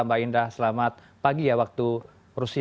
mbak indah selamat pagi ya waktu rusia